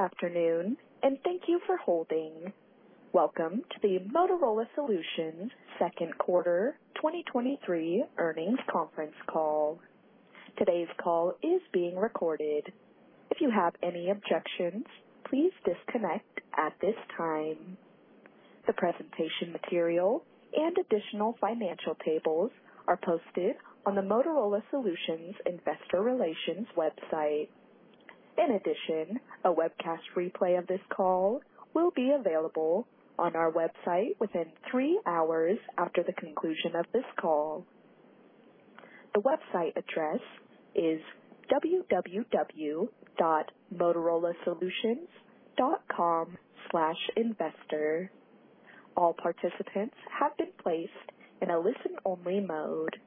Good afternoon, and thank you for holding. Welcome to the Motorola Solutions Second Quarter 2023 Earnings Conference Call. Today's call is being recorded. If you have any objections, please disconnect at this time. The presentation material and additional financial tables are posted on the Motorola Solutions Investor Relations website. In addition, a webcast replay of this call will be available on our website within 3 hours after the conclusion of this call. The website address is www.motorolasolutions.com/investor. All participants have been placed in a listen-only mode.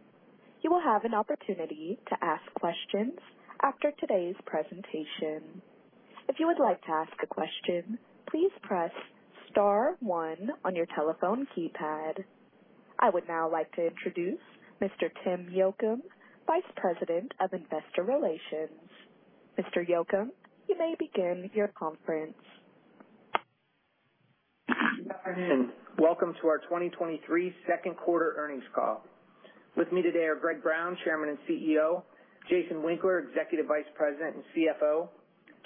You will have an opportunity to ask questions after today's presentation. If you would like to ask a question, please press star one on your telephone keypad. I would now like to introduce Mr. Tim Yocum, Vice President of Investor Relations. Mr. Yocum, you may begin your conference. Good afternoon. Welcome to our 2023 Second Quarter Earnings Call. With me today are Greg Brown, Chairman and CEO, Jason Winkler, Executive Vice President and CFO,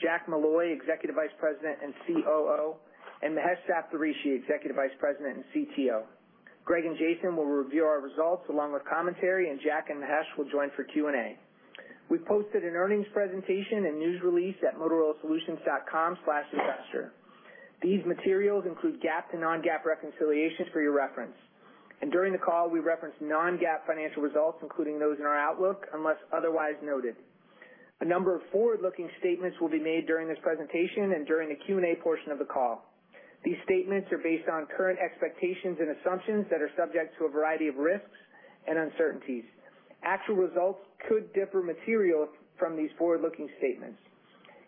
Jack Molloy, Executive Vice President and COO, and Mahesh Saptharishi, Executive Vice President and CTO. Greg and Jason will review our results along with commentary, and Jack and Mahesh will join for Q&A. We posted an earnings presentation and news release at motorolasolutions.com/investor. These materials include GAAP and non-GAAP reconciliations for your reference, and during the call, we reference non-GAAP financial results, including those in our outlook, unless otherwise noted. A number of forward-looking statements will be made during this presentation and during the Q&A portion of the call. These statements are based on current expectations and assumptions that are subject to a variety of risks and uncertainties. Actual results could differ material from these forward-looking statements.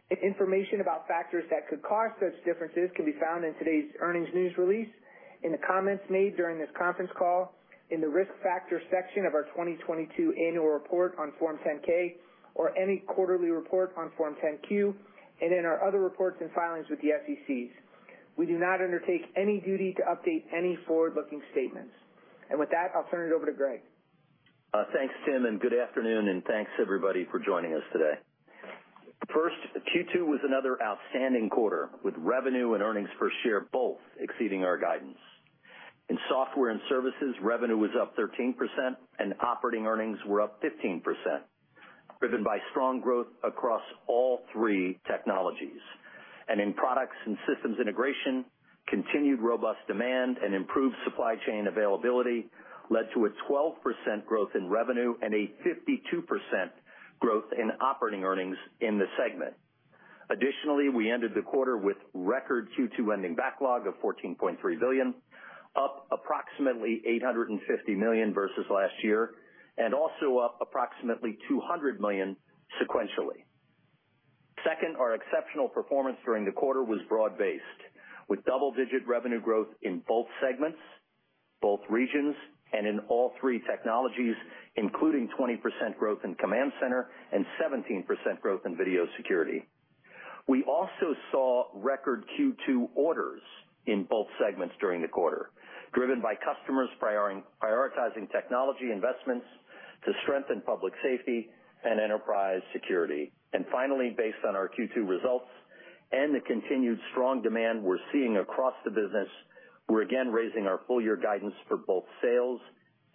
Information about factors that could cause such differences can be found in today's earnings news release, in the comments made during this conference call, in the Risk Factors section of our 2022 annual report on Form 10-K, or any quarterly report on Form 10-Q, and in our other reports and filings with the SEC. We do not undertake any duty to update any forward-looking statements. With that, I'll turn it over to Greg. Thanks, Tim, good afternoon, and thanks, everybody, for joining us today. First, Q2 was another outstanding quarter, with revenue and earnings per share both exceeding our guidance. In software and services, revenue was up 13% and operating earnings were up 15%, driven by strong growth across all three technologies. In Products and Systems Integration, continued robust demand and improved supply chain availability led to a 12% growth in revenue and a 52% growth in operating earnings in the segment. Additionally, we ended the quarter with record Q2 ending backlog of $14.3 billion, up approximately $850 million versus last year, and also up approximately $200 million sequentially. Second, our exceptional performance during the quarter was broad-based, with double-digit revenue growth in both segments, both regions, and in all three technologies, including 20% growth in Command Center and 17% growth in video security. We also saw record Q2 orders in both segments during the quarter, driven by customers prioritizing technology investments to strengthen public safety and enterprise security. Finally, based on our Q2 results and the continued strong demand we're seeing across the business, we're again raising our full year guidance for both sales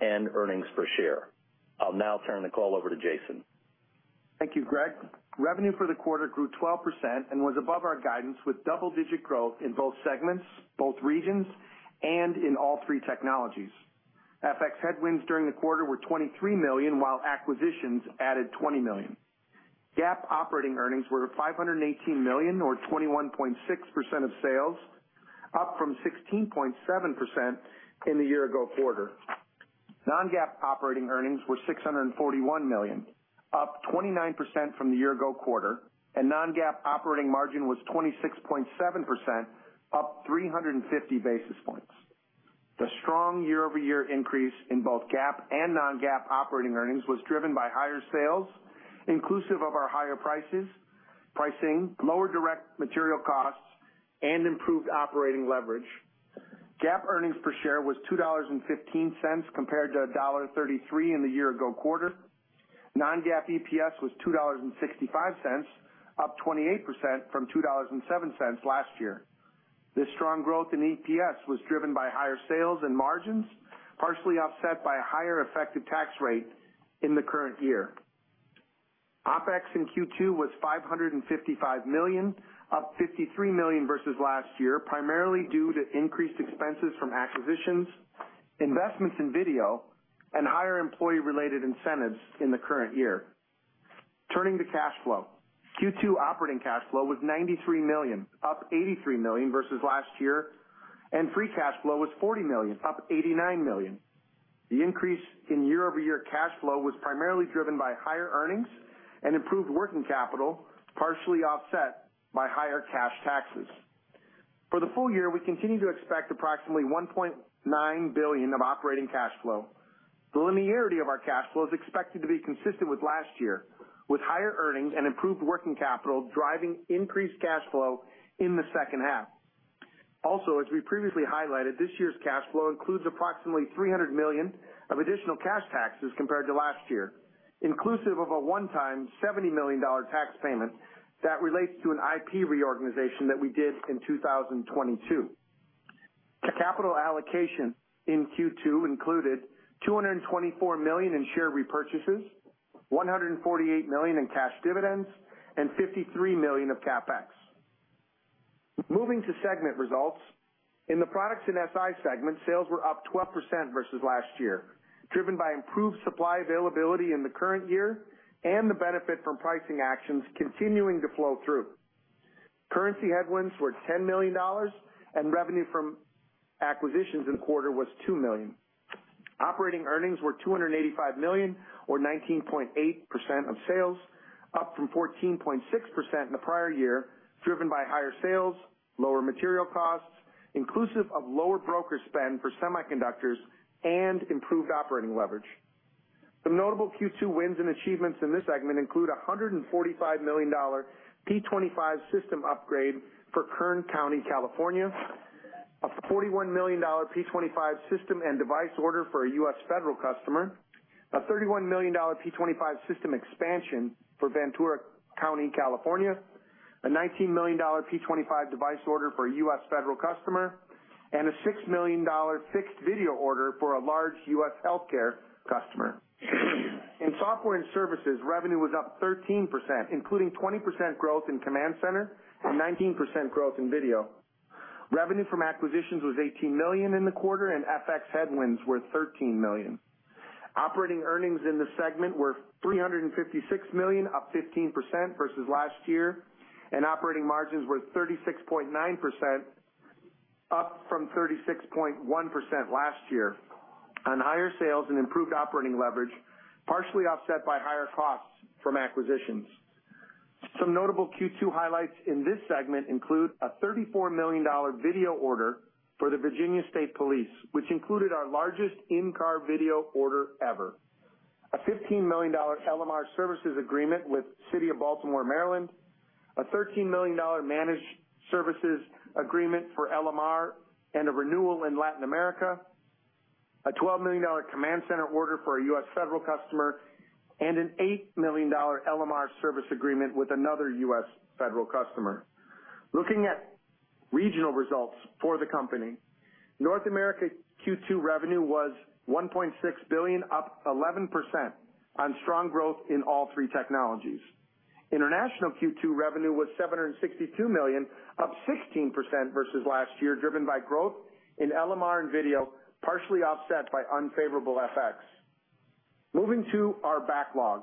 and earnings per share. I'll now turn the call over to Jason. Thank you, Greg. Revenue for the quarter grew 12% and was above our guidance, with double-digit growth in both segments, both regions, and in all three technologies. FX headwinds during the quarter were $23 million, while acquisitions added $20 million. GAAP operating earnings were $518 million, or 21.6% of sales, up from 16.7% in the year-ago quarter. Non-GAAP operating earnings were $641 million, up 29% from the year-ago quarter, and non-GAAP operating margin was 26.7%, up 350 basis points. The strong year-over-year increase in both GAAP and non-GAAP operating earnings was driven by higher sales, inclusive of our higher prices, pricing, lower direct material costs, and improved operating leverage. GAAP earnings per share was $2.15 compared to $1.33 in the year-ago quarter. Non-GAAP EPS was $2.65, up 28% from $2.07 last year. This strong growth in EPS was driven by higher sales and margins, partially offset by a higher effective tax rate in the current year. OpEx in Q2 was $555 million, up $53 million versus last year, primarily due to increased expenses from acquisitions, investments in video, and higher employee-related incentives in the current year. Turning to cash flow. Q2 operating cash flow was $93 million, up $83 million versus last year, and free cash flow was $40 million, up $89 million. The increase in year-over-year cash flow was primarily driven by higher earnings and improved working capital, partially offset by higher cash taxes. For the full year, we continue to expect approximately $1.9 billion of operating cash flow. The linearity of our cash flow is expected to be consistent with last year, with higher earnings and improved working capital, driving increased cash flow in the second half. Also, as we previously highlighted, this year's cash flow includes approximately $300 million of additional cash taxes compared to last year, inclusive of a one-time $70 million tax payment that relates to an IP reorganization that we did in 2022. The capital allocation in Q2 included $224 million in share repurchases, $148 million in cash dividends, and $53 million of CapEx. Moving to segment results. In the Products and SI segment, sales were up 12% versus last year, driven by improved supply availability in the current year and the benefit from pricing actions continuing to flow through. Currency headwinds were $10 million, and revenue from acquisitions in the quarter was $2 million. Operating earnings were $285 million, or 19.8% of sales, up from 14.6% in the prior year, driven by higher sales, lower material costs, inclusive of lower broker spend for semiconductors, and improved operating leverage. Some notable Q2 wins and achievements in this segment include a $145 million P25 system upgrade for Kern County, California, a $41 million P25 system and device order for a U.S. federal customer, a $31 million P25 system expansion for Ventura County, California, a $19 million P25 device order for a U.S. federal customer, and a $6 million fixed video order for a large U.S. healthcare customer. In software and services, revenue was up 13%, including 20% growth in Command Center and 19% growth in video. Revenue from acquisitions was $18 million in the quarter, and FX headwinds were $13 million. Operating earnings in the segment were $356 million, up 15% versus last year, and operating margins were 36.9%, up from 36.1% last year, on higher sales and improved operating leverage, partially offset by higher costs from acquisitions. Some notable Q2 highlights in this segment include a $34 million video order for the Virginia State Police, which included our largest in-car video order ever, a $15 million LMR services agreement with the City of Baltimore, Maryland, a $13 million managed services agreement for LMR and a renewal in Latin America, a $12 million Command Center order for a U.S. federal customer, and an $8 million LMR service agreement with another U.S. federal customer. Looking at regional results for the company, North America Q2 revenue was $1.6 billion, up 11% on strong growth in all three technologies. International Q2 revenue was $762 million, up 16% versus last year, driven by growth in LMR and video, partially offset by unfavorable FX. Moving to our backlog.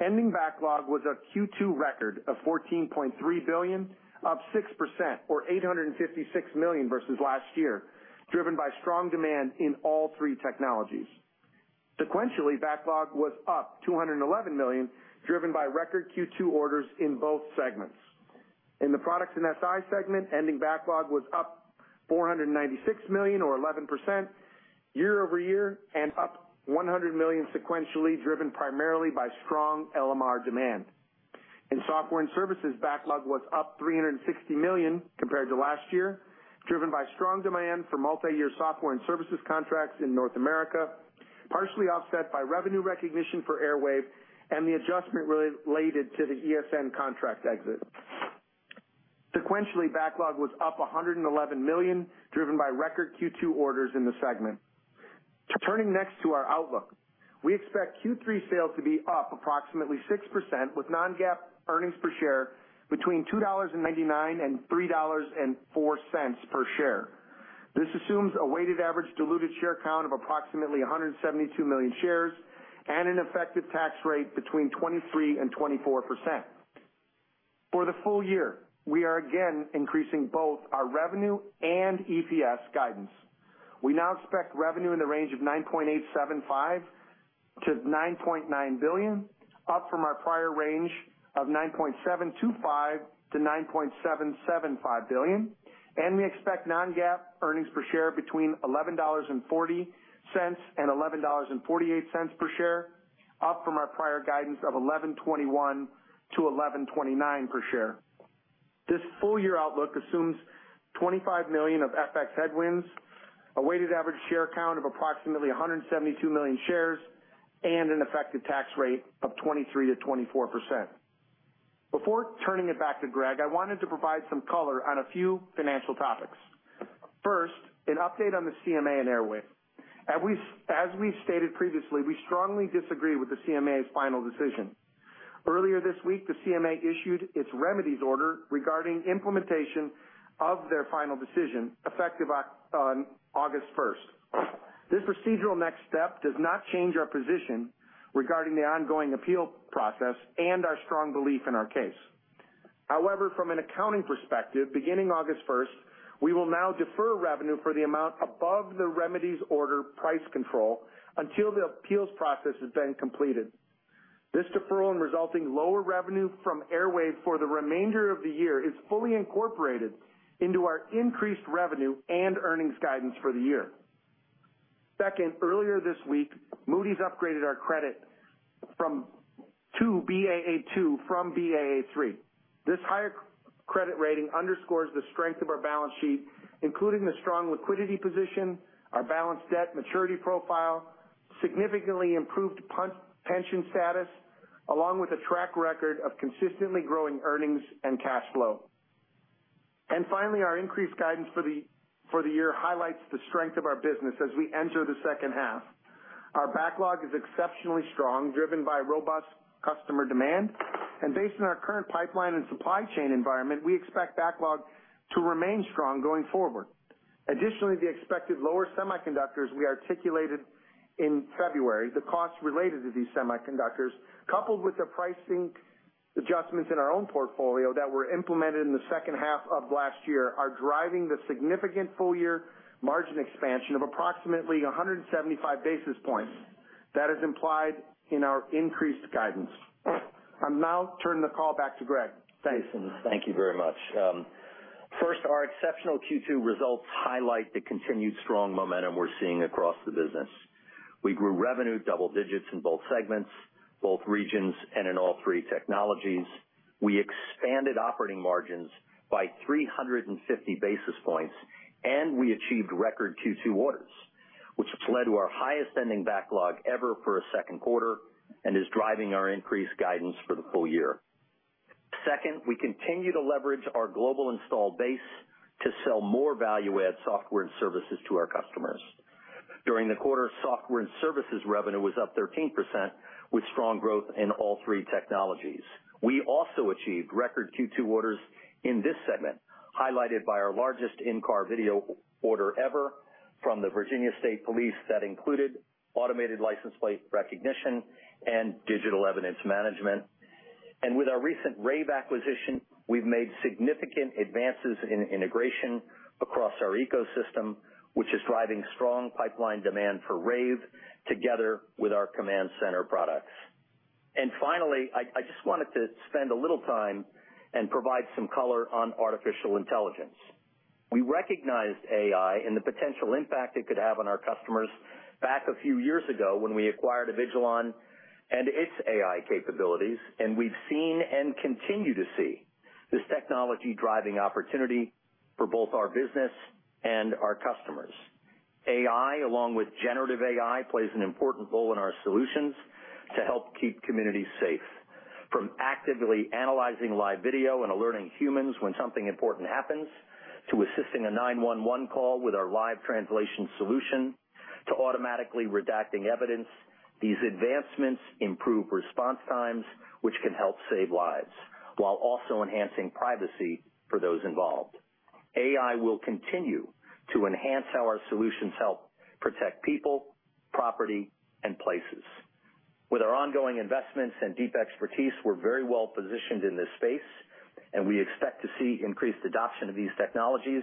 Ending backlog was a Q2 record of $14.3 billion, up 6% or $856 million versus last year, driven by strong demand in all three technologies. Sequentially, backlog was up $211 million, driven by record Q2 orders in both segments. In the Products and SI segment, ending backlog was up $496 million, or 11% year-over-year, and up $100 million sequentially, driven primarily by strong LMR demand. In software and services, backlog was up $360 million compared to last year, driven by strong demand for multiyear software and services contracts in North America, partially offset by revenue recognition for Airwave and the adjustment related to the ESN contract exit. Sequentially, backlog was up $111 million, driven by record Q2 orders in the segment. Turning next to our outlook. We expect Q3 sales to be up approximately 6%, with non-GAAP earnings per share between $2.99 and $3.04 per share. This assumes a weighted average diluted share count of approximately 172 million shares and an effective tax rate between 23% and 24%. For the full year, we are again increasing both our revenue and EPS guidance. We now expect revenue in the range of $9.875 billion-$9.9 billion, up from our prior range of $9.725 billion-$9.775 billion, and we expect non-GAAP earnings per share between $11.40 and $11.48 per share, up from our prior guidance of $11.21-$11.29 per share. This full year outlook assumes $25 million of FX headwinds, a weighted average share count of approximately 172 million shares, and an effective tax rate of 23%-24%. Before turning it back to Greg, I wanted to provide some color on a few financial topics. First, an update on the CMA and Airwave. As we stated previously, we strongly disagree with the CMA's final decision. Earlier this week, the CMA issued its remedies order regarding implementation of their final decision, effective on August 1st. This procedural next step does not change our position regarding the ongoing appeal process and our strong belief in our case. From an accounting perspective, beginning August 1st, we will now defer revenue for the amount above the remedies order price control until the appeals process has been completed.... This deferral and resulting lower revenue from Airwave for the remainder of the year is fully incorporated into our increased revenue and earnings guidance for the year. Second, earlier this week, Moody's upgraded our credit to Baa2 from Baa3. This higher credit rating underscores the strength of our balance sheet, including the strong liquidity position, our balanced debt maturity profile, significantly improved pension status, along with a track record of consistently growing earnings and cash flow. Finally, our increased guidance for the year highlights the strength of our business as we enter the second half. Our backlog is exceptionally strong, driven by robust customer demand, and based on our current pipeline and supply chain environment, we expect backlog to remain strong going forward. Additionally, the expected lower semiconductors we articulated in February, the costs related to these semiconductors, coupled with the pricing adjustments in our own portfolio that were implemented in the second half of last year, are driving the significant full year margin expansion of approximately 175 basis points. That is implied in our increased guidance. I'll now turn the call back to Greg. Thanks. Jason, thank you very much. First, our exceptional Q2 results highlight the continued strong momentum we're seeing across the business. We grew revenue double digits in both segments, both regions, and in all three technologies. We expanded operating margins by 350 basis points, and we achieved record Q2 orders, which has led to our highest ending backlog ever for a second quarter and is driving our increased guidance for the full year. Second, we continue to leverage our global install base to sell more value-add software and services to our customers. During the quarter, software and services revenue was up 13%, with strong growth in all three technologies. We also achieved record Q2 orders in this segment, highlighted by our largest in-car video order ever from the Virginia State Police. That included automated license plate recognition and digital evidence management. With our recent Rave acquisition, we've made significant advances in integration across our ecosystem, which is driving strong pipeline demand for Rave together with our Command Center products. Finally, I just wanted to spend a little time and provide some color on artificial intelligence. We recognized AI and the potential impact it could have on our customers back a few years ago when we acquired Avigilon and its AI capabilities, and we've seen, and continue to see, this technology driving opportunity for both our business and our customers. AI, along with generative AI, plays an important role in our solutions to help keep communities safe. From actively analyzing live video and alerting humans when something important happens, to assisting a 911 call with our live translation solution, to automatically redacting evidence, these advancements improve response times, which can help save lives, while also enhancing privacy for those involved. AI will continue to enhance how our solutions help protect people, property, and places. With our ongoing investments and deep expertise, we're very well positioned in this space, we expect to see increased adoption of these technologies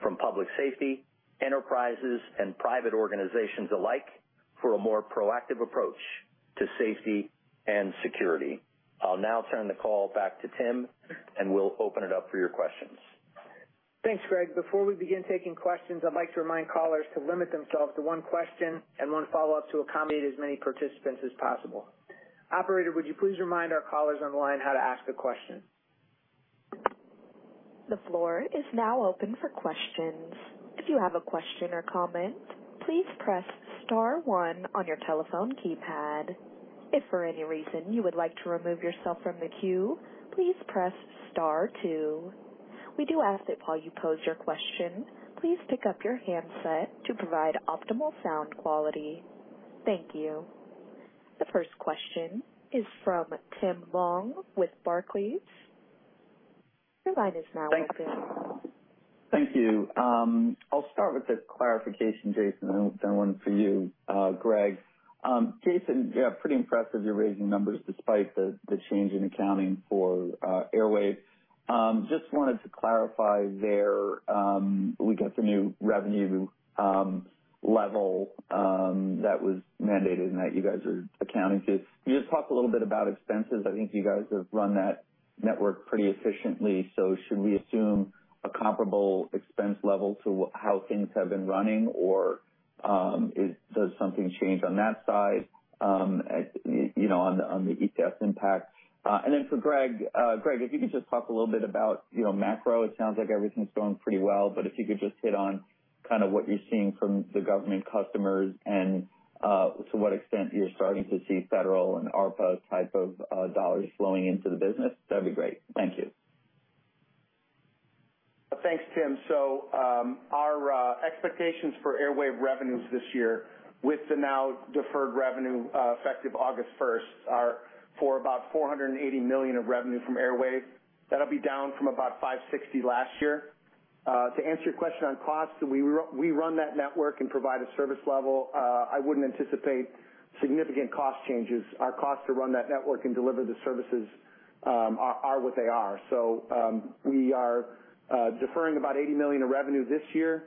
from public safety, enterprises, and private organizations alike for a more proactive approach to safety and security. I'll now turn the call back to Tim, we'll open it up for your questions. Thanks, Greg. Before we begin taking questions, I'd like to remind callers to limit themselves to one question and one follow up to accommodate as many participants as possible. Operator, would you please remind our callers on the line how to ask a question? The floor is now open for questions. If you have a question or comment, please press star one on your telephone keypad. If for any reason you would like to remove yourself from the queue, please press star two. We do ask that while you pose your question, please pick up your handset to provide optimal sound quality. Thank you. The first question is from Tim Long with Barclays. Your line is now open. Thank you. I'll start with the clarification, Jason, I hope that one's for you, Greg. Jason, yeah, pretty impressive, you're raising numbers despite the change in accounting for Airwave. Just wanted to clarify there, we get the new revenue level that was mandated and that you guys are accounting to. Can you just talk a little bit about expenses? I think you guys have run that network pretty efficiently, so should we assume a comparable expense level to how things have been running, or does something change on that side, you know, on the ESN impact? Then for Greg. Greg, if you could just talk a little bit about, you know, macro. It sounds like everything's going pretty well, but if you could just hit on kind of what you're seeing from the government customers and to what extent you're starting to see federal and ARPA type of dollars flowing into the business, that'd be great. Thank you. Thanks, Tim. Our expectations for Airwave revenues this year, with the now deferred revenue, effective August first, are for about $480 million of revenue from Airwave. That'll be down from about $560 million last year. To answer your question on costs, we run that network and provide a service level. I wouldn't anticipate significant cost changes. Our costs to run that network and deliver the services are what they are. We are deferring about $80 million in revenue this year,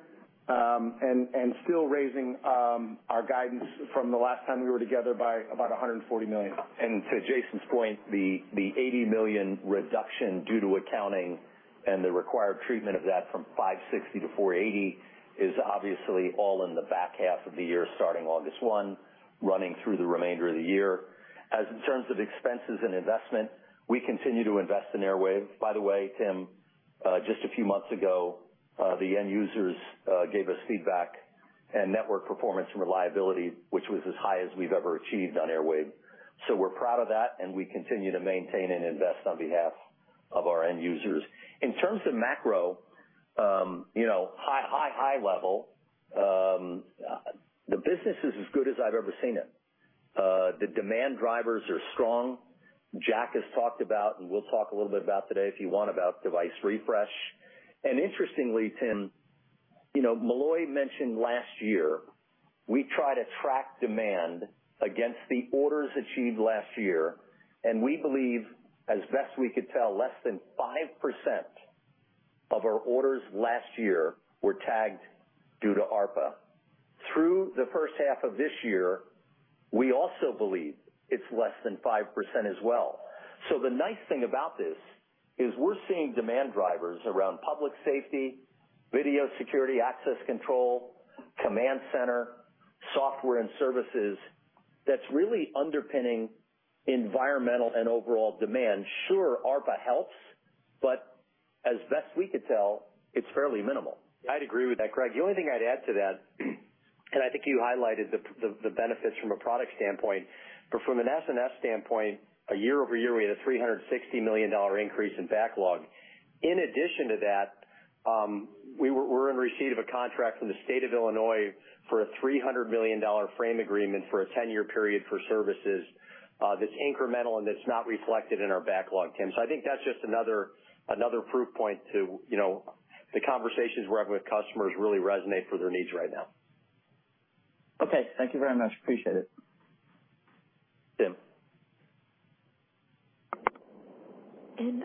and still raising our guidance from the last time we were together by about $140 million. To Jason's point, the, the $80 million reduction due to accounting and the required treatment of that from $560 million to $480 million is obviously all in the back half of the year, starting August 1, running through the remainder of the year. In terms of expenses and investment, we continue to invest in Airwave. By the way, Tim, just a few months ago, the end users gave us feedback and network performance and reliability, which was as high as we've ever achieved on Airwave. We're proud of that, and we continue to maintain and invest on behalf of our end users. In terms of macro, you know, high, high, high level, the business is as good as I've ever seen it. The demand drivers are strong. Jack has talked about, and we'll talk a little bit about today, if you want, about device refresh. Interestingly, Tim, you know, Molloy mentioned last year, we try to track demand against the orders achieved last year, and we believe, as best we could tell, less than 5% of our orders last year were tagged due to ARPA. Through the first half of this year, we also believe it's less than 5% as well. The nice thing about this is we're seeing demand drivers around public safety, video security, access control, Command Center, software and services that's really underpinning environmental and overall demand. Sure, ARPA helps, but as best we could tell, it's fairly minimal. I'd agree with that, Greg. The only thing I'd add to that, I think you highlighted the, the, the benefits from a product standpoint, but from an SNS standpoint, a year-over-year, we had a $360 million increase in backlog. In addition to that, we're in receipt of a contract from the state of Illinois for a $300 million frame agreement for a 10-year period for services, that's incremental and that's not reflected in our backlog, Tim. I think that's just another, another proof point to, you know, the conversations we're having with customers really resonate for their needs right now. Okay, thank you very much. Appreciate it. Tim.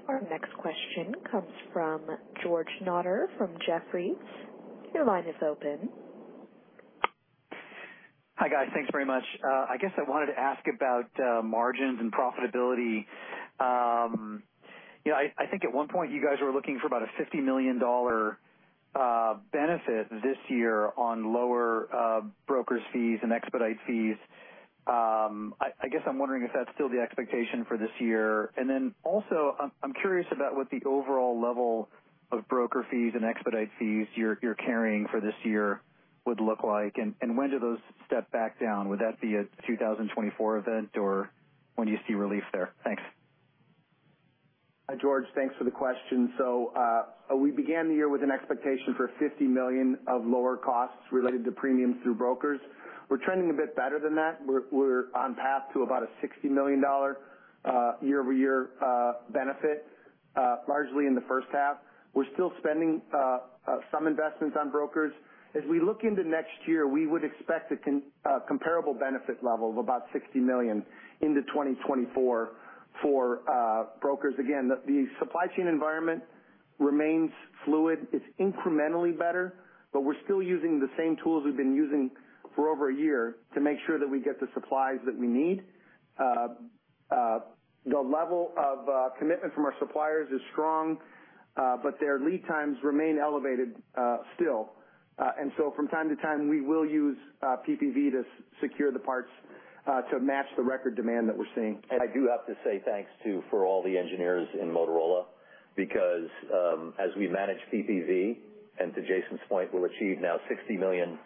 Our next question comes from George Notter from Jefferies. Your line is open. Hi, guys. Thanks very much. I guess I wanted to ask about margins and profitability. You know, I think at one point, you guys were looking for about a $50 million benefit this year on lower brokers' fees and expedite fees. I guess I'm wondering if that's still the expectation for this year. Then also, I'm curious about what the overall level of broker fees and expedite fees you're carrying for this year would look like, and when do those step back down? Would that be a 2024 event, or when do you see relief there? Thanks. Hi, George. Thanks for the question. We began the year with an expectation for $50 million of lower costs related to premiums through brokers. We're trending a bit better than that. We're on path to about a $60 million year-over-year benefit largely in the first half. We're still spending some investments on brokers. As we look into next year, we would expect a comparable benefit level of about $60 million into 2024 for brokers. Again, the supply chain environment remains fluid. It's incrementally better, but we're still using the same tools we've been using for over a year to make sure that we get the supplies that we need. The level of commitment from our suppliers is strong, but their lead times remain elevated still. From time to time, we will use PPV to secure the parts, to match the record demand that we're seeing. I do have to say thanks, too, for all the engineers in Motorola Solutions, because as we manage PPV, and to Jason's point, we'll achieve now $60 million,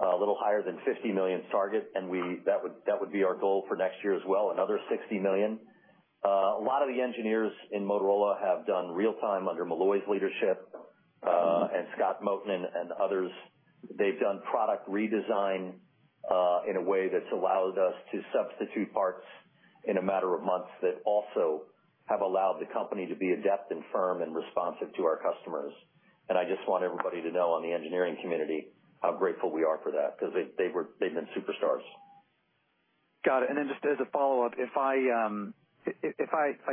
a little higher than $50 million target, and that would, that would be our goal for next year as well, another $60 million. A lot of the engineers in Motorola Solutions have done real-time under Molloy's leadership, and Scott Moten and others. They've done product redesign, in a way that's allowed us to substitute parts in a matter of months that also have allowed the company to be adept and firm and responsive to our customers. I just want everybody to know on the engineering community, how grateful we are for that, because they've been superstars. Got it. Then just as a follow up, if I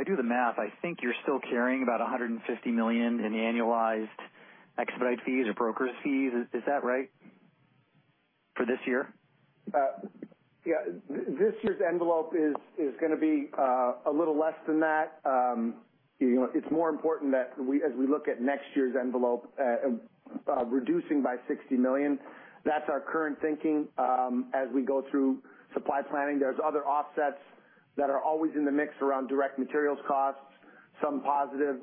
do the math, I think you're still carrying about $150 million in annualized expedite fees or brokers fees. Is that right for this year? Yeah, this year's envelope is gonna be a little less than that. You know, it's more important that we as we look at next year's envelope, reducing by $60 million, that's our current thinking, as we go through supply planning. There's other offsets that are always in the mix around direct materials costs, some positive,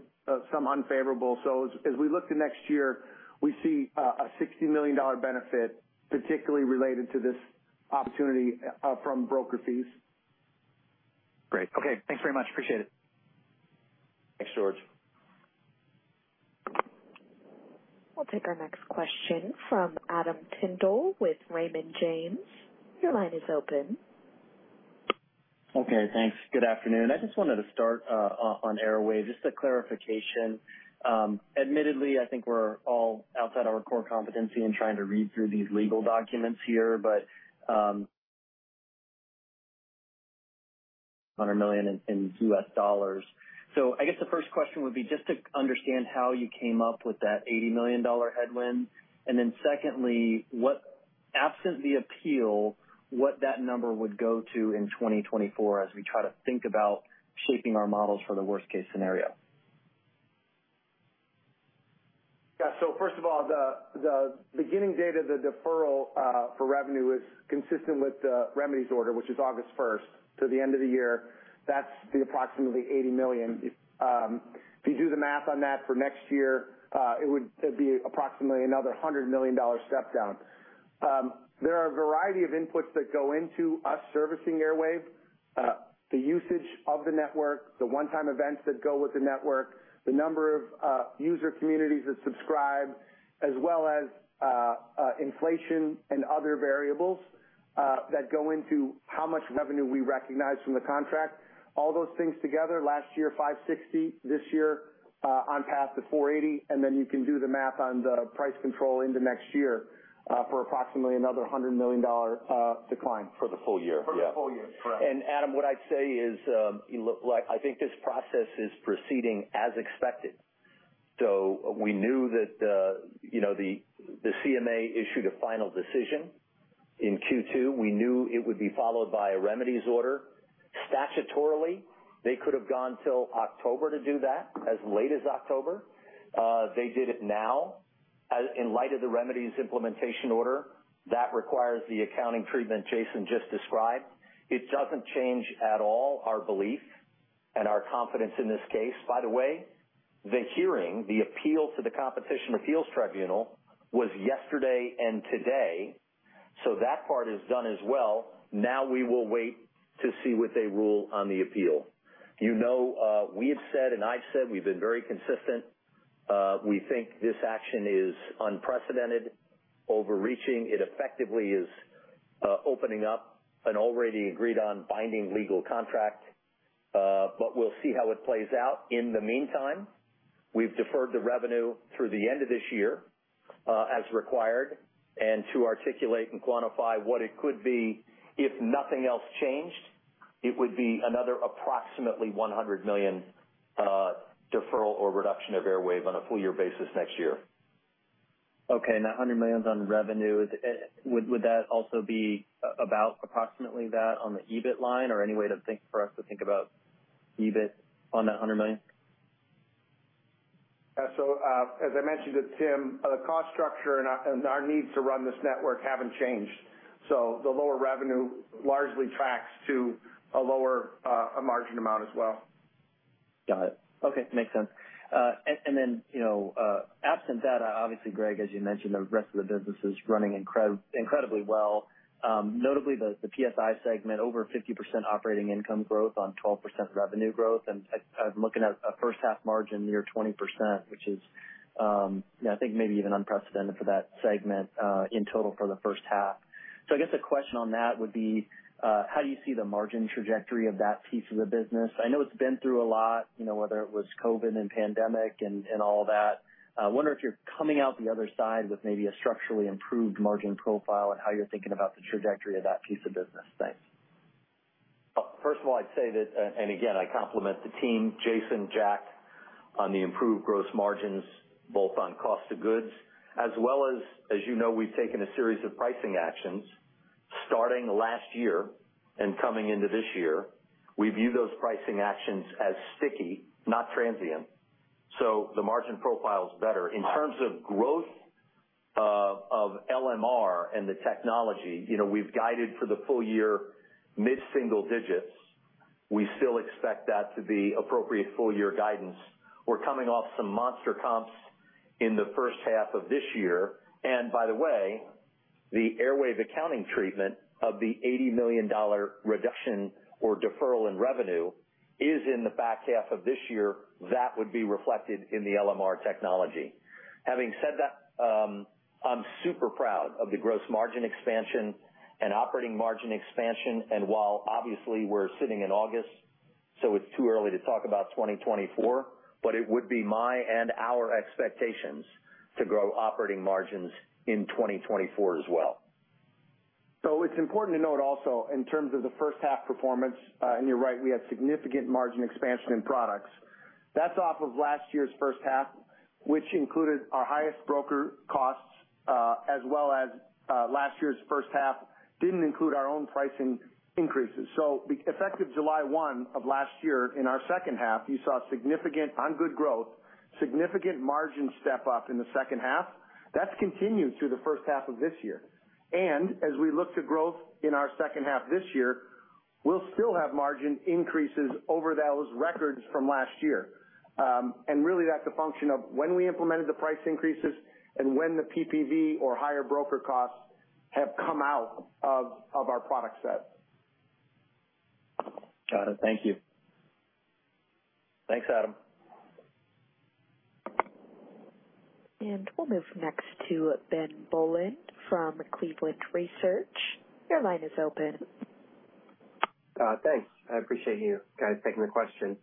some unfavorable. As we look to next year, we see a $60 million benefit, particularly related to this opportunity from broker fees. Great. Okay, thanks very much. Appreciate it. Thanks, George. We'll take our next question from Adam Tindle with Raymond James. Your line is open. Okay, thanks. Good afternoon. I just wanted to start on Airwave, just a clarification. Admittedly, I think we're all outside our core competency in trying to read through these legal documents here. $100 million. So I guess the first question would be just to understand how you came up with that $80 million headwind. Then secondly, what, absent the appeal, what that number would go to in 2024 as we try to think about shaping our models for the worst-case scenario? Yeah. First of all, the beginning date of the deferral for revenue is consistent with the remedies order, which is August 1st to the end of the year. That's the approximately $80 million. If you do the math on that for next year, it would be approximately another $100 million step down. There are a variety of inputs that go into us servicing Airwave, the usage of the network, the one-time events that go with the network, the number of user communities that subscribe, as well as inflation and other variables that go into how much revenue we recognize from the contract. All those things together, last year, $560 million, this year, on path to $480 million. Then you can do the math on the price control into next year, for approximately another $100 million decline. For the full year. For the full year, correct. Adam, what I'd say is, look, like I think this process is proceeding as expected. We knew that, you know, the CMA issued a final decision in Q2. We knew it would be followed by a remedies order. Statutorily, they could have gone till October to do that, as late as October. They did it now. As in light of the remedies implementation order, that requires the accounting treatment Jason just described. It doesn't change at all our belief and our confidence in this case. By the way, the hearing, the appeal to the Competition Appeal Tribunal was yesterday and today, so that part is done as well. Now we will wait to see what they rule on the appeal. You know, we've said, and I've said, we've been very consistent. We think this action is unprecedented, overreaching. It effectively is opening up an already agreed on binding legal contract. We'll see how it plays out. In the meantime, we've deferred the revenue through the end of this year, as required. To articulate and quantify what it could be if nothing else changed, it would be another approximately $100 million deferral or reduction of Airwave on a full year basis next year. Okay. That $100 million is on revenue. Would, would that also be about approximately that on the EBIT line or any way to think for us to think about EBIT on that $100 million? So, as I mentioned to Tim, the cost structure and our, and our needs to run this network haven't changed, so the lower revenue largely tracks to a lower, a margin amount as well. Got it. Okay, makes sense. Then, you know, absent that, obviously, Greg, as you mentioned, the rest of the business is running incredibly well. Notably the PSI segment, over 50% operating income growth on 12% revenue growth. I, I'm looking at a first half margin near 20%, which is, you know, I think maybe even unprecedented for that segment in total for the first half. I guess the question on that would be, how do you see the margin trajectory of that piece of the business? I know it's been through a lot, you know, whether it was COVID and pandemic and, and all that. I wonder if you're coming out the other side with maybe a structurally improved margin profile and how you're thinking about the trajectory of that piece of business. Thanks. First of all, I'd say that, again, I compliment the team, Jason, Jack, on the improved gross margins, both on cost of goods as well as, as you know, we've taken a series of pricing actions starting last year and coming into this year. We view those pricing actions as sticky, not transient, so the margin profile is better. In terms of growth of LMR and the technology, you know, we've guided for the full year mid-single digits. We still expect that to be appropriate full year guidance. We're coming off some monster comps in the first half of this year. By the way, the Airwave accounting treatment of the $80 million reduction or deferral in revenue is in the back half of this year. That would be reflected in the LMR technology. Having said that, I'm super proud of the gross margin expansion and operating margin expansion. While obviously we're sitting in August, so it's too early to talk about 2024, it would be my and our expectations to grow operating margins in 2024 as well. It's important to note also in terms of the first half performance, and you're right, we have significant margin expansion in products. That's off of last year's first half, which included our highest broker costs, as well as, last year's first half didn't include our own pricing increases. Effective July 1 of last year, in our second half, you saw significant on good growth, significant margin step up in the second half. That's continued through the first half of this year. As we look to growth in our second half this year, we'll still have margin increases over those records from last year. Really, that's a function of when we implemented the price increases and when the PPV or higher broker costs have come out of, of our product set. Got it. Thank you. Thanks, Adam. We'll move next to Ben Bolin from Cleveland Research. Your line is open. Thanks. I appreciate you guys taking the question.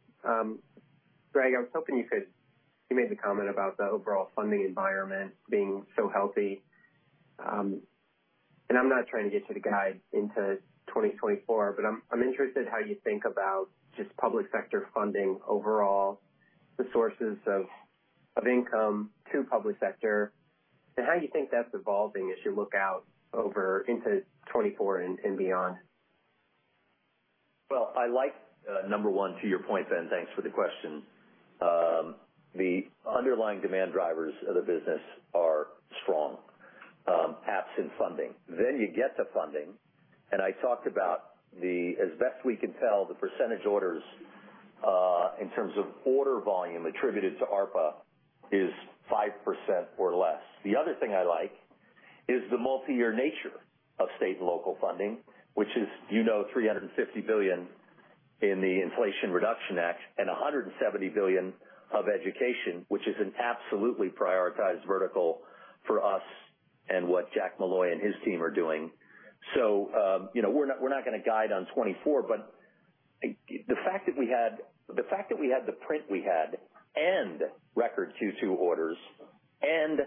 Greg, You made the comment about the overall funding environment being so healthy. I'm not trying to get you to guide into 2024, but I'm, I'm interested in how you think about just public sector funding overall, the sources of, of income to public sector, and how you think that's evolving as you look out over into 2024 and, and beyond? Well, I like, number one, to your point, Ben, thanks for the question. The underlying demand drivers of the business are strong, absent funding. You get to funding, and I talked about the, as best we can tell, the percentage orders, in terms of order volume attributed to ARPA is 5% or less. The other thing I like is the multi-year nature of state and local funding, which is, you know, $350 billion in the Inflation Reduction Act and $170 billion of education, which is an absolutely prioritized vertical for us and what Jack Molloy and his team are doing. You know, we're not, we're not going to guide on 2024, the fact that we had, the fact that we had the print we had and record Q2 orders and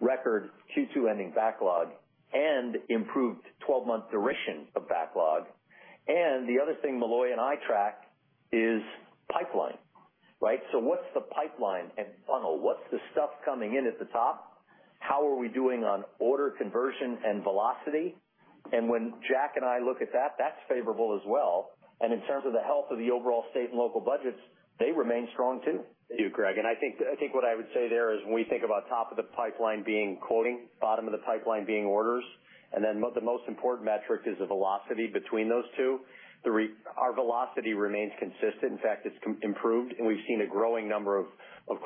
record Q2 ending backlog and improved 12-month duration of backlog. The other thing Molloy and I track is pipeline, right? What's the pipeline and funnel? What's the stuff coming in at the top? How are we doing on order conversion and velocity? When Jack and I look at that, that's favorable as well. In terms of the health of the overall state and local budgets, they remain strong, too. Thank you, Greg. I think, I think what I would say there is when we think about top of the pipeline being quoting, bottom of the pipeline being orders, and then the most important metric is the velocity between those two. Our velocity remains consistent. In fact, it's improved, and we've seen a growing number of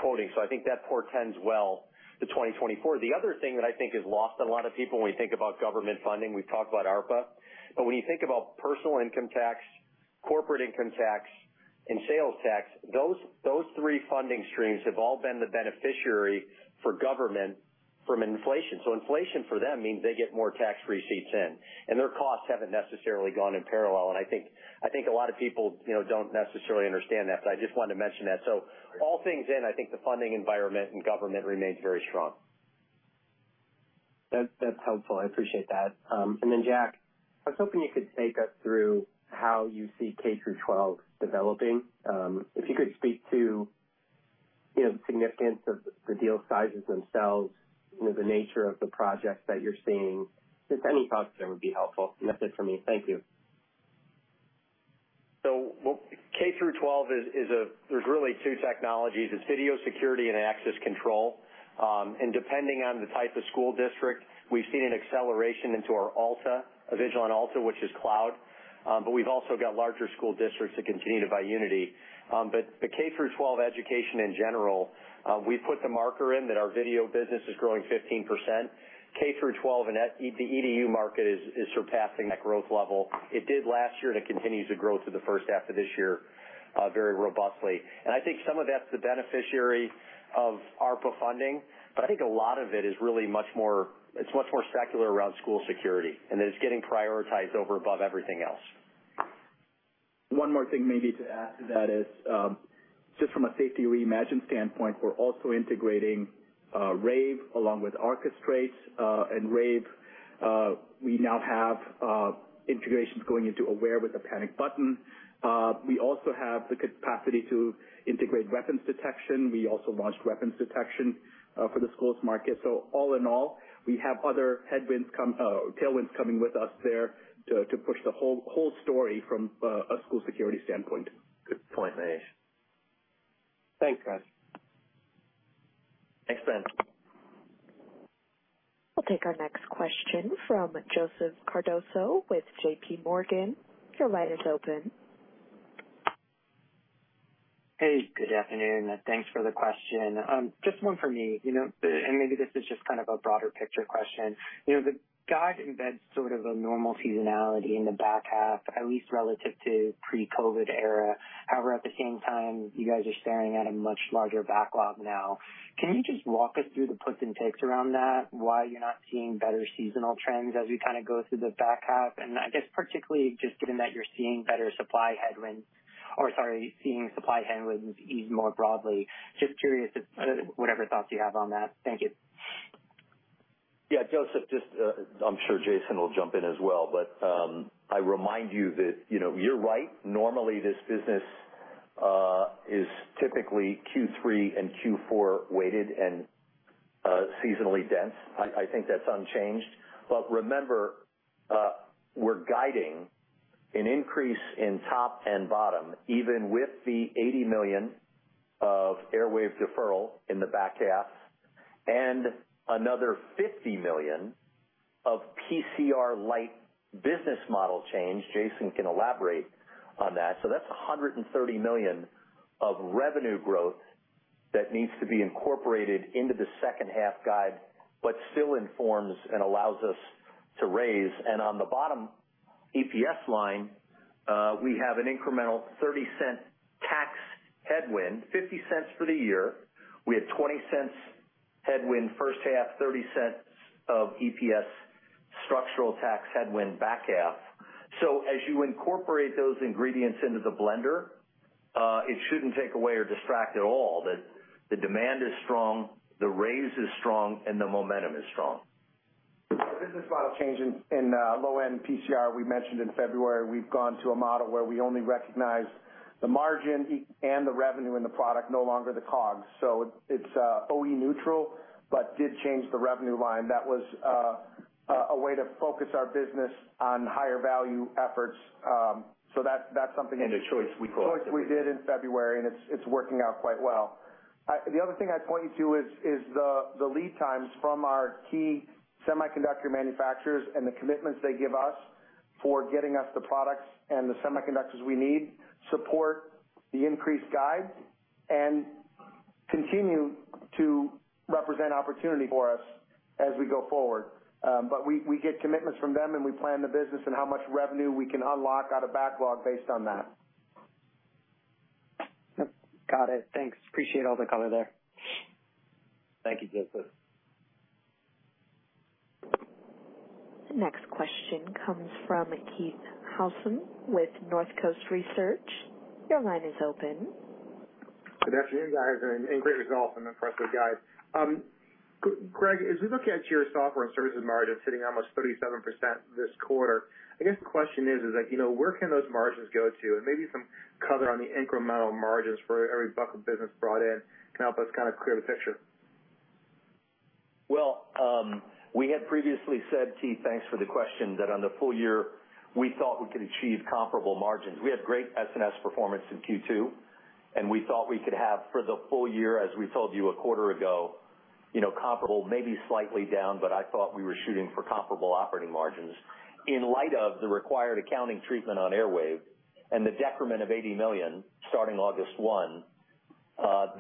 quoting. I think that portends well to 2024. The other thing that I think is lost on a lot of people when we think about government funding, we've talked about ARPA, but when you think about personal income tax, corporate income tax, and sales tax, those, those 3 funding streams have all been the beneficiary for government from inflation. Inflation for them means they get more tax receipts in, and their costs haven't necessarily gone in parallel. I think, I think a lot of people, you know, don't necessarily understand that, but I just wanted to mention that. All things in, I think the funding environment and government remains very strong. That, that's helpful. I appreciate that. Then, Jack, I was hoping you could take us through how you see K-12 developing. If you could speak to, you know, the significance of the deal sizes themselves, you know, the nature of the projects that you're seeing. Just any thoughts there would be helpful. That's it for me. Thank you. What K-12 is, there's really two technologies: it's video security and access control. Depending on the type of school district, we've seen an acceleration into our Avigilon Alta, which is cloud, but we've also got larger school districts that continue to buy Unity. The K-12 education in general, we put the marker in that our video business is growing 15%. K-12, the EDU market is surpassing that growth level. It did last year, it continues to grow through the first half of this year, very robustly. I think some of that's the beneficiary of ARPA funding, I think a lot of it is really much more, it's much more secular around school security, it's getting prioritized over above everything else. One more thing maybe to add to that is, just from a Safety Reimagined standpoint, we're also integrating, Rave along with Orchestrate. Rave, we now have integrations going into Aware with a panic button. We also have the capacity to integrate weapons detection. We also launched weapons detection for the schools market. All in all, we have other headwinds come, tailwinds coming with us there to, to push the whole, whole story from a, a school security standpoint. Good point, Mahesh. Thanks, guys. Thanks, Ben. We'll take our next question from Joseph Cardoso with JPMorgan. Your line is open. Hey, good afternoon, and thanks for the question. Just one for me, you know, and maybe this is just kind of a broader picture question. You know, the guide embeds sort of a normal seasonality in the back half, at least relative to pre-COVID era. However, at the same time, you guys are staring at a much larger backlog now. Can you just walk us through the puts and takes around that, why you're not seeing better seasonal trends as we kind of go through the back half? I guess particularly just given that you're seeing better supply headwinds, or sorry, seeing supply headwinds even more broadly. Just curious if, whatever thoughts you have on that. Thank you. Yeah, Joseph, just, I'm sure Jason will jump in as well, but, I remind you that, you know, you're right. Normally, this business, is typically Q3 and Q4 weighted and, seasonally dense. I, I think that's unchanged. Remember, we're guiding an increase in top and bottom, even with the $80 million of Airwave deferral in the back half, and another $50 million of PCR lite business model change. Jason can elaborate on that. That's a $130 million of revenue growth that needs to be incorporated into the second half guide, but still informs and allows us to raise. On the bottom EPS line, we have an incremental $0.30 headwind, $0.50 for the year. We had $0.20 headwind first half, $0.30 of EPS structural tax headwind back half. As you incorporate those ingredients into the blender, it shouldn't take away or distract at all that the demand is strong, the raise is strong, and the momentum is strong. Business model change in, in low-end PCR, we mentioned in February, we've gone to a model where we only recognize the margin and the revenue in the product, no longer the COGS. It's OE neutral, but did change the revenue line. That was a way to focus our business on higher value efforts. So that's something- A choice we call it. A choice we did in February, and it's, it's working out quite well. The other thing I'd point you to is, is the, the lead times from our key semiconductor manufacturers and the commitments they give us for getting us the products and the semiconductors we need, support the increased guide and continue to represent opportunity for us as we go forward. We, we get commitments from them, and we plan the business and how much revenue we can unlock out of backlog based on that. Got it. Thanks. Appreciate all the color there. Thank you, Joseph. Next question comes from Keith Housum with North Coast Research. Your line is open. Good afternoon, guys, and great results and impressive guide. Greg, as we look at your software and services margin sitting almost 37% this quarter, I guess the question is, is that, you know, where can those margins go to? Maybe some color on the incremental margins for every bucket of business brought in can help us kind of clear the picture. Well, we had previously said, Keith, thanks for the question, that on the full year, we thought we could achieve comparable margins. We had great SNS performance in Q2. We thought we could have for the full year, as we told you a quarter ago, you know, comparable, maybe slightly down, but I thought we were shooting for comparable operating margins. In light of the required accounting treatment on Airwave and the decrement of $80 million, starting August 1,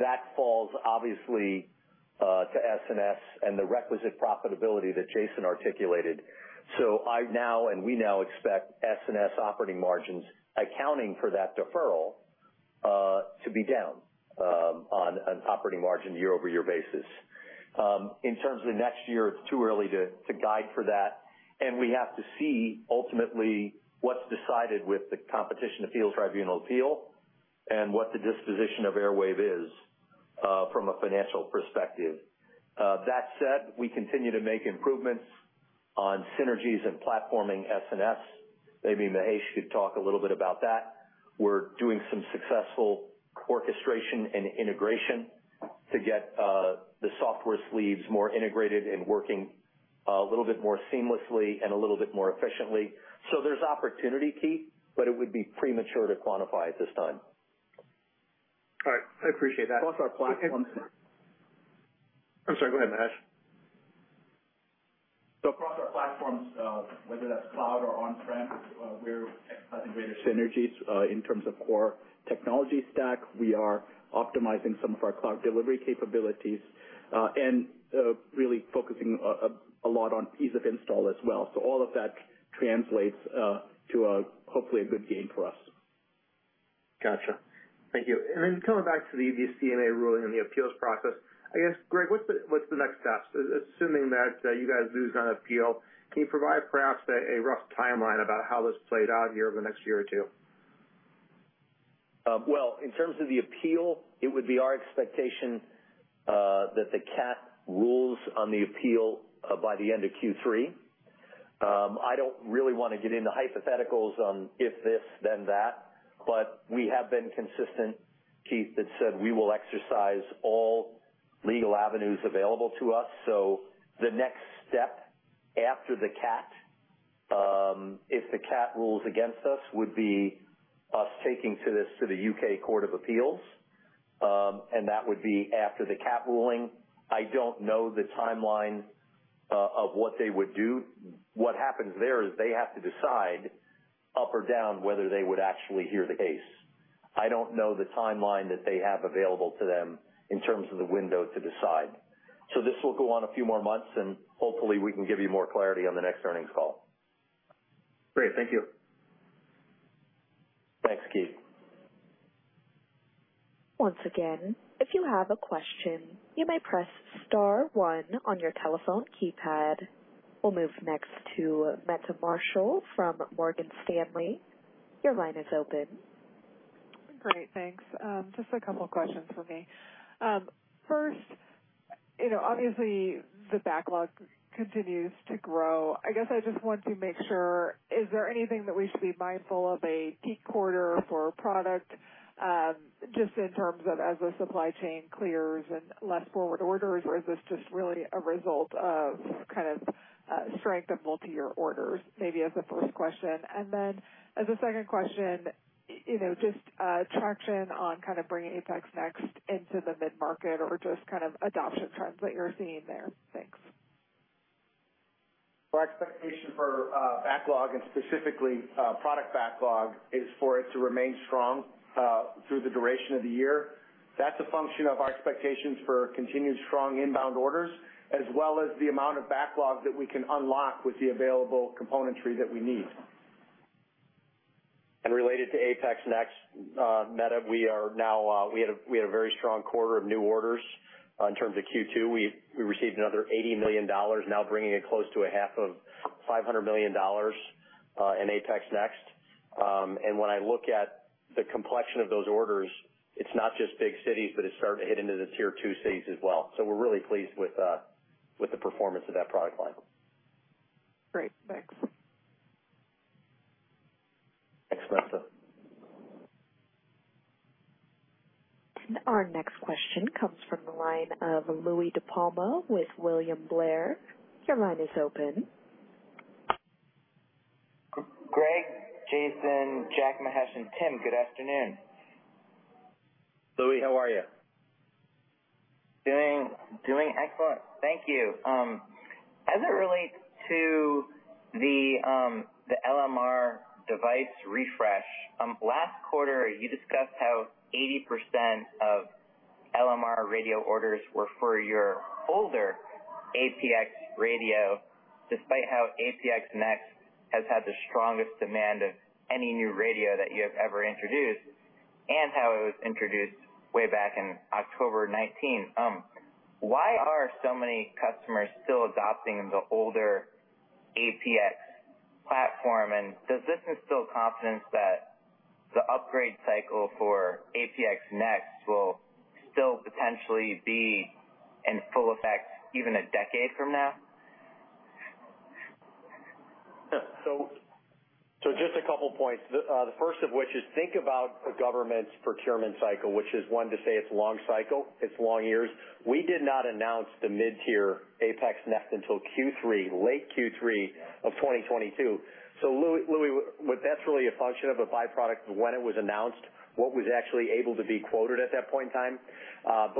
that falls obviously to SNS and the requisite profitability that Jason articulated. I now, and we now expect SNS operating margins, accounting for that deferral, to be down on an operating margin year-over-year basis. In terms of next year, it's too early to guide for that, and we have to see ultimately what's decided with the Competition Appeal Tribunal appeal and what the disposition of Airwave is from a financial perspective. That said, we continue to make improvements on synergies and platforming SNS. Maybe Mahesh could talk a little bit about that. We're doing some successful orchestration and integration to get the software sleeves more integrated and working a little bit more seamlessly and a little bit more efficiently. There's opportunity, Keith, but it would be premature to quantify at this time. All right. I appreciate that. Across our platforms- I'm sorry, go ahead, Mahesh. Across our platforms, whether that's cloud or on-prem, we're expecting greater synergies in terms of core technology stack. We are optimizing some of our cloud delivery capabilities, and really focusing a lot on ease of install as well. All of that translates to hopefully a good gain for us. Gotcha. Thank you. Then coming back to the CMA ruling and the appeals process, I guess, Greg, what's the next steps? Assuming that you guys lose on appeal, can you provide perhaps a rough timeline about how this played out over the next year or 2? Well, in terms of the appeal, it would be our expectation that the CAT rules on the appeal by the end of Q3. I don't really want to get into hypotheticals on if this, then that. We have been consistent, Keith, that said, we will exercise all legal avenues available to us. The next step after the CAT, if the CAT rules against us, would be us taking to this to the UK Court of Appeal. That would be after the CAT ruling. I don't know the timeline of what they would do. What happens there is they have to decide up or down whether they would actually hear the case. I don't know the timeline that they have available to them in terms of the window to decide. This will go on a few more months, and hopefully, we can give you more clarity on the next earnings call. Great. Thank you. Thanks, Keith. Once again, if you have a question, you may press star one on your telephone keypad. We'll move next to Meta Marshall from Morgan Stanley. Your line is open. Great, thanks. Just a couple of questions for me. First, you know, obviously, the backlog continues to grow. I guess I just want to make sure, is there anything that we should be mindful of a peak quarter for product, just in terms of as the supply chain clears and less forward orders, or is this just really a result of kind of, strength of multi-year orders? Maybe as a first question. Then as a second question, you know, just, traction on kind of bringing APX NEXT into the mid-market or just kind of adoption trends that you're seeing there? Thanks. Our expectation for backlog and specifically product backlog is for it to remain strong through the duration of the year. That's a function of our expectations for continued strong inbound orders, as well as the amount of backlog that we can unlock with the available componentry that we need. Related to APX Next, Meta, we are now, we had a very strong quarter of new orders. In terms of Q2, we received another $80 million, now bringing it close to $250 million in APX Next. When I look at the complexion of those orders, it's not just big cities, but it's starting to hit into the tier two cities as well. We're really pleased with the performance of that product line. Great. Thanks. Thanks, Marshall. Our next question comes from the line of Louie DiPalma with William Blair. Your line is open. Greg, Jason, Jack, Mahesh, and Tim, good afternoon. Louie, how are you? Doing, doing excellent. Thank you. As it relates to the LMR device refresh, last quarter, you discussed how 80% of LMR radio orders were for your older APX radio, despite how APX Next has had the strongest demand of any new radio that you have ever introduced and how it was introduced way back in October 2019. Why are so many customers still adopting the older APX platform? Does this instill confidence that the upgrade cycle for APX Next will still potentially be in full effect even a decade from now? Just a couple points. The, the first of which is think about a government's procurement cycle, which is one to say it's a long cycle, it's long years. We did not announce the mid-tier APX NEXT until Q3, late Q3 of 2022. Louie, Louie, that's really a function of a byproduct of when it was announced, what was actually able to be quoted at that point in time.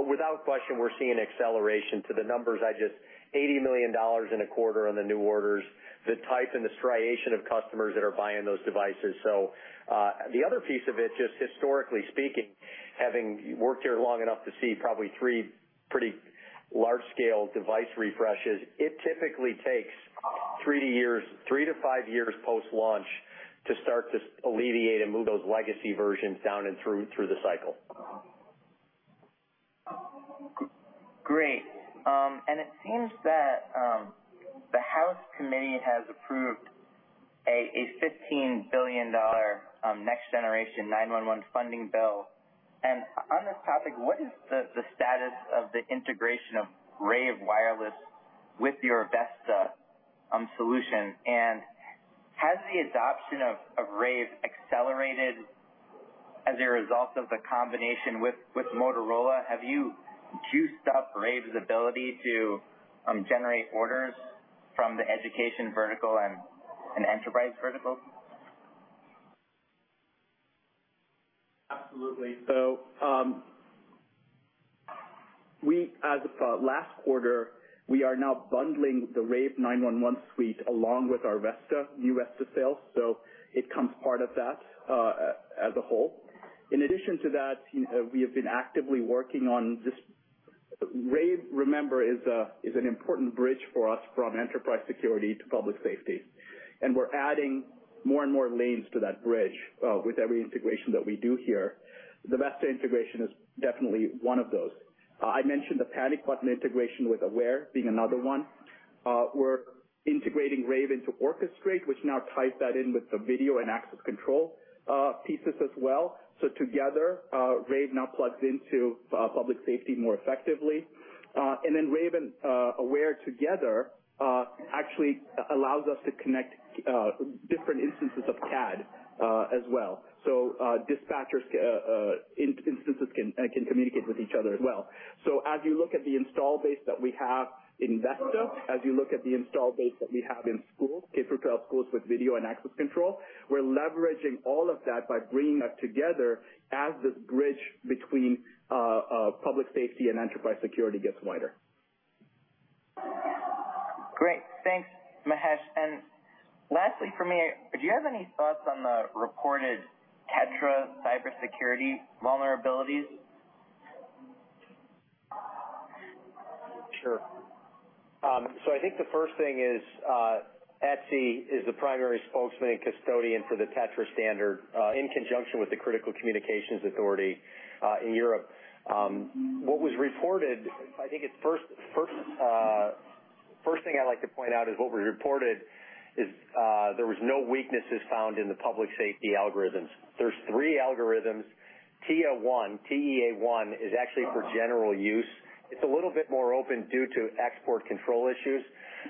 Without question, we're seeing an acceleration to the numbers. $80 million in a quarter on the new orders, the type and the striation of customers that are buying those devices. The other piece of it, just historically speaking, having worked here long enough to see probably 3 pretty large-scale device refreshes, it typically takes 3 years, 3-5 years post-launch to start to alleviate and move those legacy versions down and through, through the cycle. Great. It seems that the House Committee has approved a $15 billion Next Generation 911 funding bill. On this topic, what is the status of the integration of Rave with your VESTA solution? Has the adoption of Rave accelerated as a result of the combination with Motorola? Have you juiced up Rave's ability to generate orders from the education vertical and enterprise vertical? Absolutely. We as of last quarter, we are now bundling the Rave 911 suite along with our VESTA, new VESTA sales, so it comes part of that as a whole. In addition to that, we have been actively working on this... Rave, remember, is a, is an important bridge for us from enterprise security to public safety, and we're adding more and more lanes to that bridge with every integration that we do here. The VESTA integration is definitely one of those. I mentioned the panic button integration with Aware being another one. We're integrating Rave into Orchestrate, which now ties that in with the video and access control pieces as well. Together, Rave now plugs into public safety more effectively. And then Rave and Aware together, actually allows us to connect different instances of CAD as well. So, dispatchers, instances can communicate with each other as well. So as you look at the install base that we have in VESTA, as you look at the install base that we have in schools, K-12 schools with video and access control, we're leveraging all of that by bringing that together as this bridge between public safety and enterprise security gets wider. Great. Thanks, Mahesh. Lastly, for me, do you have any thoughts on the reported TETRA cybersecurity vulnerabilities? Sure. I think the first thing is ETSI is the primary spokesman and custodian for the TETRA standard, in conjunction with the Critical Communications Association, in Europe. What was reported, I think it's first thing I'd like to point out is what was reported is there was no weaknesses found in the public safety algorithms. There's 3 algorithms. TEA1, T-E-A One, is actually for general use. It's a little bit more open due to export control issues,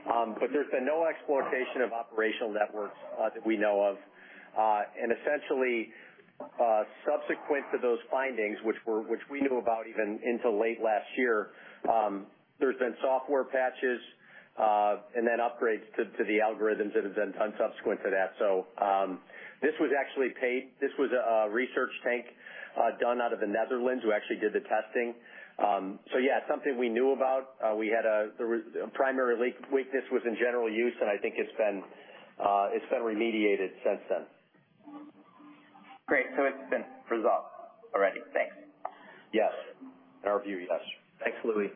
but there's been no exploitation of operational networks that we know of. Essentially, subsequent to those findings, which we knew about even into late last year, there's been software patches, and then upgrades to the algorithms that have been done subsequent to that. This was actually paid. This was a research tank, done out of the Netherlands, who actually did the testing. Yeah, something we knew about. We had the primary leak weakness was in general use, and I think it's been remediated since then. Great. It's been resolved already. Thanks. Yes. In our view, yes. Thanks, Louie.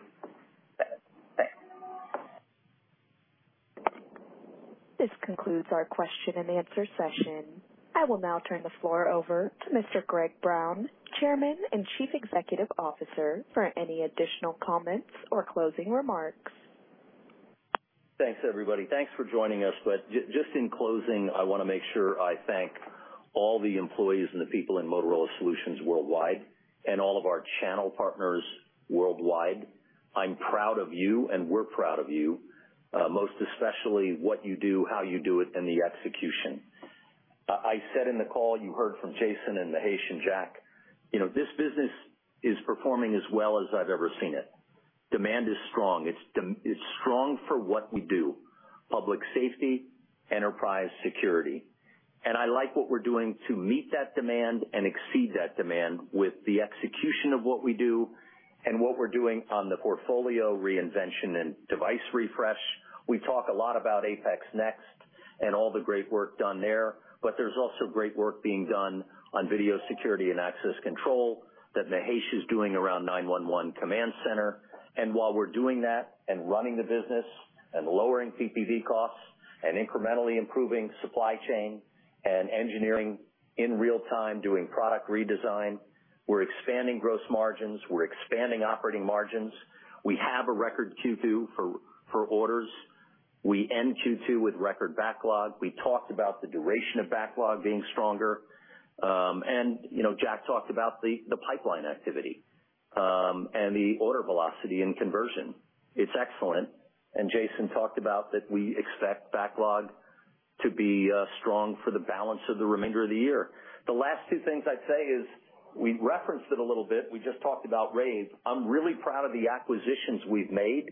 This concludes our question-and-answer session. I will now turn the floor over to Mr. Greg Brown, Chairman and Chief Executive Officer, for any additional comments or closing remarks. Thanks, everybody. Thanks for joining us. Just in closing, I want to make sure I thank all the employees and the people in Motorola Solutions worldwide and all of our channel partners worldwide. I'm proud of you, and we're proud of you, most especially what you do, how you do it, and the execution. I said in the call, you heard from Jason and Mahesh and Jack, you know, this business is performing as well as I've ever seen it. Demand is strong. It's strong for what we do: public safety, enterprise security. I like what we're doing to meet that demand and exceed that demand with the execution of what we do and what we're doing on the portfolio reinvention and device refresh. We talk a lot about APX NEXT and all the great work done there, but there's also great work being done on video security and access control that Mahesh is doing around 911 Command Center. While we're doing that and running the business and lowering PPV costs and incrementally improving supply chain and engineering in real time, doing product redesign, we're expanding gross margins, we're expanding operating margins. We have a record Q2 for, for orders. We end Q2 with record backlog. We talked about the duration of backlog being stronger. You know, Jack talked about the, the pipeline activity, and the order velocity and conversion. It's excellent. Jason talked about that we expect backlog to be strong for the balance of the remainder of the year. The last two things I'd say is, we referenced it a little bit. We just talked about Rave. I'm really proud of the acquisitions we've made,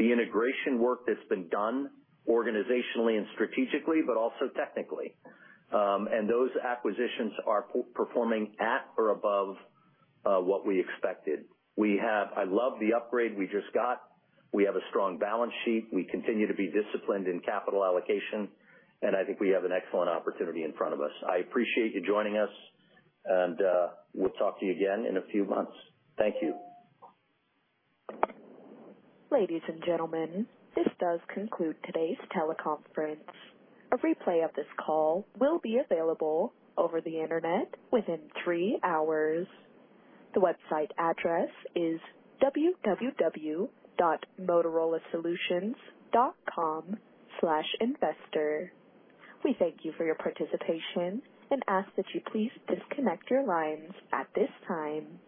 the integration work that's been done organizationally and strategically, but also technically. Those acquisitions are performing at or above what we expected. I love the upgrade we just got. We have a strong balance sheet. We continue to be disciplined in capital allocation. I think we have an excellent opportunity in front of us. I appreciate you joining us. We'll talk to you again in a few months. Thank you. Ladies and gentlemen, this does conclude today's teleconference. A replay of this call will be available over the Internet within three hours. The website address is www.motorolasolutions.com/investor. We thank you for your participation and ask that you please disconnect your lines at this time.